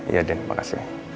iya din makasih